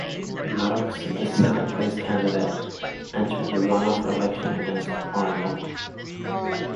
Maddox, the second-place candidate, entered the runoff election against Arnall.